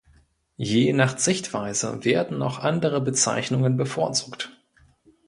Je nach Sichtweise werden auch andere Bezeichnungen bevorzugt.